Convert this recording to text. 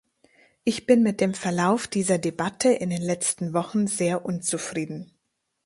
Ich bin mit dem Verlauf dieser Debatte in den letzten Wochen sehr unzufrieden.